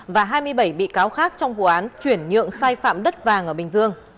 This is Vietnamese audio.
và hai mươi bảy bị cáo khác trong vụ án chuyển nhượng sai phạm đất vàng ở bình dương